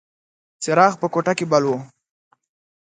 څراغ په کوټه کې بل و.